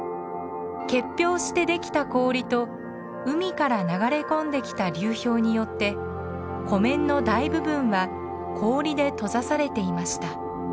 結氷してできた氷と海から流れ込んできた流氷によって湖面の大部分は氷で閉ざされていました。